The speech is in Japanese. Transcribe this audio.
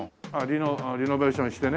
リノベーションしてね。